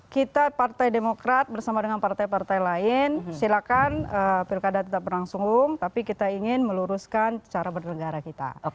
kita partai demokrat bersama dengan partai partai lain silakan pilkada tetap berlangsung tapi kita ingin meluruskan cara bernegara kita